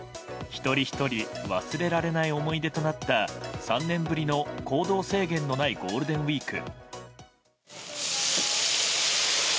一人ひとり忘れられない思い出となった３年ぶりの行動制限のないゴールデンウィーク。